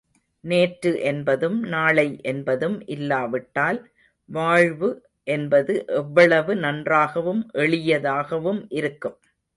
நேற்று என்பதும் நாளை என்பதும் இல்லாவிட்டால் வாழ்வு என்பது எவ்வளவு நன்றாகவும் எளியதாகவும் இருக்கும்.